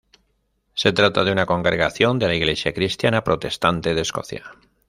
Se trata de una congregación de la Iglesia cristiana protestante de Escocia.